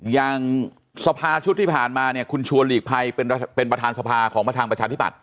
อย่างสภาชุดที่ผ่านมาเนี่ยคุณชวนหลีกภัยเป็นประธานสภาของประธานประชาธิบัต